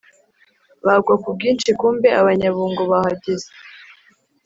bagwa kubwinshi kumbe abanyabungo bahageze